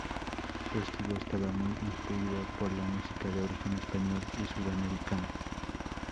Su estilo estaba muy influido por la música de origen español y sudamericana.